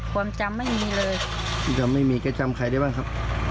ความจำไม่มีเลยจำไม่มีแกจำใครได้บ้างครับ